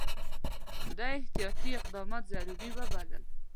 ده احتیاطي اقدامات ضروري وبلل.